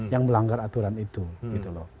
yang melanggar aturan itu